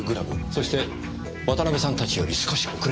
そして渡辺さんたちより少し遅れて来ました。